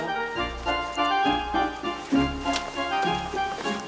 mau lewat sam